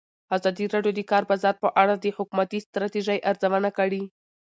ازادي راډیو د د کار بازار په اړه د حکومتي ستراتیژۍ ارزونه کړې.